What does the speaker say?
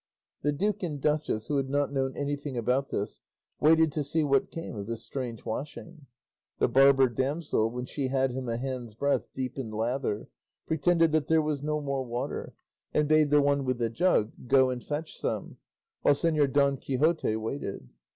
The duke and duchess, who had not known anything about this, waited to see what came of this strange washing. The barber damsel, when she had him a hand's breadth deep in lather, pretended that there was no more water, and bade the one with the jug go and fetch some, while Señor Don Quixote waited.